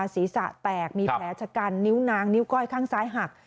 ศีรษะแตกมีแผลชะกันนิ้วนางนิ้วก้อยข้างซ้ายหัก